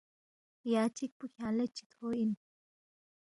یا چِک پو کھیانگ لہ چِتھو اِن